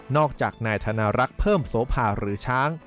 จากนายธนารักษ์เพิ่มโสภาหรือช้าง